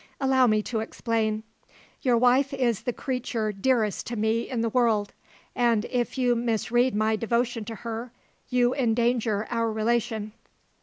Allow me to explain. Your wife is the creature dearest to me in the world, and if you misread my devotion to her you endanger our relation.